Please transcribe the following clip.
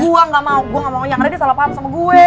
gue gak mau gue gak mau yang redi salah paham sama gue